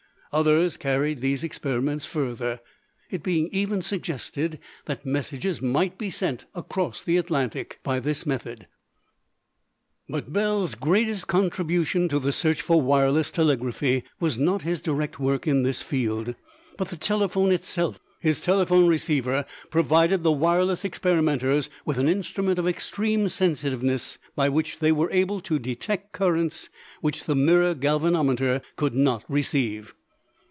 Others carried these experiments further, it being even suggested that messages might be sent across the Atlantic by this method. But Bell's greatest contribution to the search for wireless telegraphy was not his direct work in this field, but the telephone itself. His telephone receiver provided the wireless experimenters with an instrument of extreme sensitiveness by which they were able to detect currents which the mirror galvanometer could not receive.